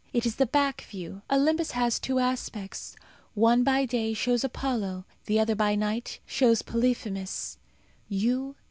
It is the back view. Olympus has two aspects. One, by day, shows Apollo; the other, by night, shows Polyphemus.